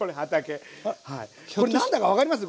これ何だか分かります？